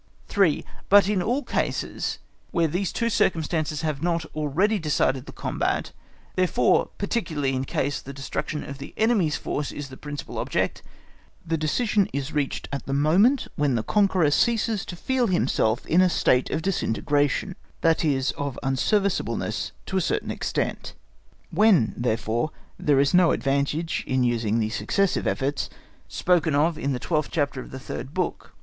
3. But in all other cases, when these two circumstances have not already decided the combat, therefore, particularly in case the destruction of the enemy's force is the principal object, the decision is reached at that moment when the conqueror ceases to feel himself in a state of disintegration, that is, of unserviceableness to a certain extent, when therefore, there is no further advantage in using the successive efforts spoken of in the twelfth chapter of the third book.